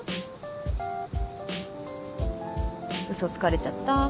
ウソつかれちゃった。